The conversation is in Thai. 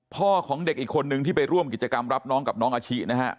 พ่อของเด็กอีกคนนึงที่ไปร่วมกิจกรรมรับน้องกับน้องอาชินะฮะ